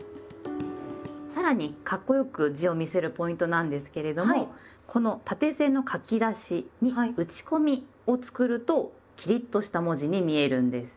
さらにかっこよく字を見せるポイントなんですけれどもこの縦線の書き出しに「打ち込み」を作るとキリッとした文字に見えるんです。